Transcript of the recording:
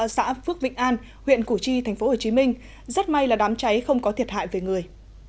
xã phước vịnh an huyện củ chi tp hcm rất may là đám cháy không có thiệt hại về người